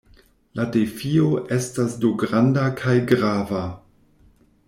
La defio estas do granda kaj grava.